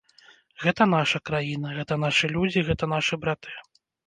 Гэта наша краіна, гэта нашы людзі, гэта нашы браты.